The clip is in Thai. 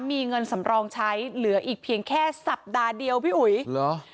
มีเงินสำรองใช้เหลืออีกเพียงแค่สัปดาห์เดียวพี่อุ๋ยเหรอ